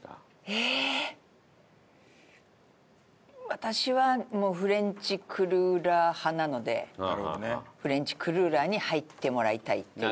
私はフレンチクルーラー派なのでフレンチクルーラーに入ってもらいたいっていう。